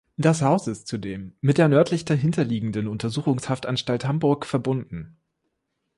Das Haus ist zudem mit der nördlich dahinter liegenden Untersuchungshaftanstalt Hamburg verbunden.